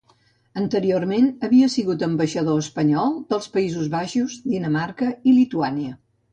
Anteriorment, havia sigut l'ambaixador espanyol dels Països Baixos, Dinamarca i Lituània.